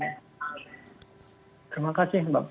terima kasih mbak putri pak johan